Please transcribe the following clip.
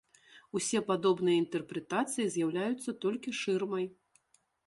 Усе падобныя інтэрпрэтацыі з'яўляюцца толькі шырмай.